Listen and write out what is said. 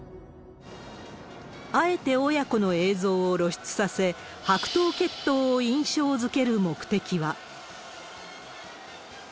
あえて親子の映像を露出させ、白頭血統を印象づける目的は。